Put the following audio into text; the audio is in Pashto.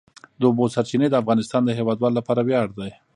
د اوبو سرچینې د افغانستان د هیوادوالو لپاره ویاړ دی.